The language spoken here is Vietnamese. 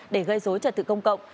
để gây dối trật tự công cộng